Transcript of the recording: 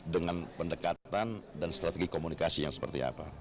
dengan pendekatan dan strategi komunikasi yang seperti apa